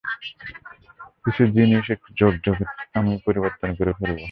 কিছু জিনিস একটু ঝক্ঝকে, আমি পরিবর্তন করে ফেলব।